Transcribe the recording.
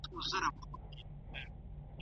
د ټولنيزو ځواکونو ګټي کله ناکله سره ټکر کوي.